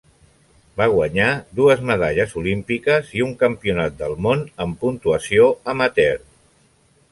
Va guanyar dues medalles olímpiques i un Campionat del món en Puntuació amateur.